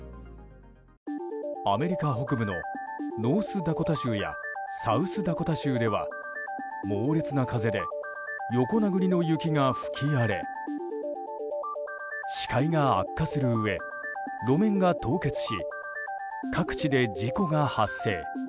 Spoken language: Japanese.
アメリカ北部のノースダコタ州やサウスダコタ州では猛烈な風で横殴りの雪が吹き荒れ視界が悪化するうえ路面が凍結し各地で事故が発生。